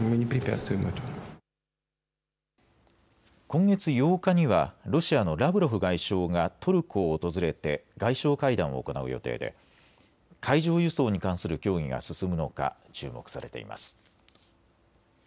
今月８日にはロシアのラブロフ外相がトルコを訪れて外相会談を行う予定で海上輸送に関する協議が進むのか注目されています。